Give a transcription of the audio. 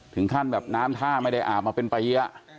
ถึงขั้นแบบน้ำทะไม่ได้อาบมาเป็นประเยี่ย